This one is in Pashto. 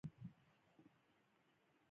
په هند کې امپراطوري تأسیس شوه.